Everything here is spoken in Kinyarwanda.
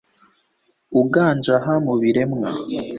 uganje aha mu biremwa